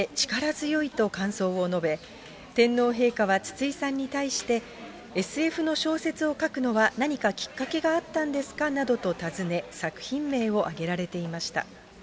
皇后さまは書を見て、力強いと感想を述べ、天皇陛下は筒井さんに対して、ＳＦの小説を書くのは、何かきっかけがあったんですかなどと尋ね、作品名を挙げられていました。